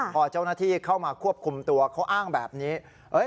พอเจ้าหน้าที่เข้ามาควบคุมตัวเขาอ้างแบบนี้